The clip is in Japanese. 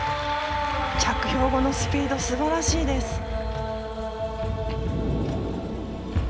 着氷後のスピードすばらしいです。